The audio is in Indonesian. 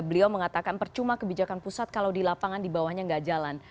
beliau mengatakan percuma kebijakan pusat kalau di lapangan di bawahnya nggak jalan